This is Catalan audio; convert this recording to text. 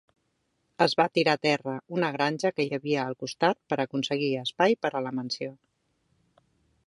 Es va tirar a terra una granja que hi havia al costat per aconseguir espai per a la mansió.